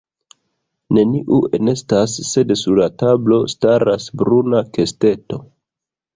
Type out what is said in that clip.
Neniu enestas, sed sur la tablo staras bruna kesteto.